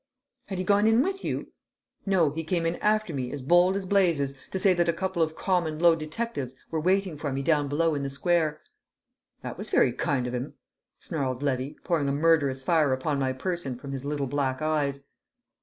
"Had he gone in with you?" "No; he came in after me as bold as blazes to say that a couple of common, low detectives were waiting for me down below in the square!" "That was very kind of 'im," snarled Levy, pouring a murderous fire upon my person from his little black eyes.